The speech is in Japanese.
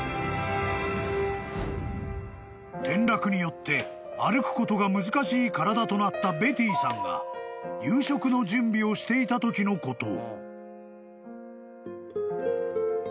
［転落によって歩くことが難しい体となったベティーさんが夕食の準備をしていたときのこと］